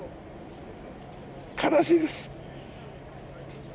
悲しいです。